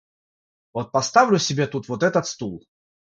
Вот поставлю себе тут вот этот стул.